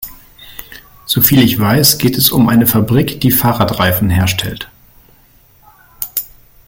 Soviel ich weiß, geht es um eine Fabrik, die Fahrradreifen herstellt.